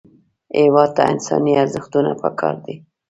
هېواد ته انساني ارزښتونه پکار دي